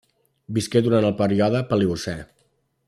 Visqué durant el període Paleocè.